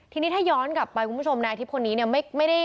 ทีนี้ถ้าย้อนกลับไปมุมชมนายอาทิพย์พวกนี้เนี้ย